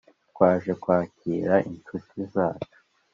twaje kwakira incuti zacu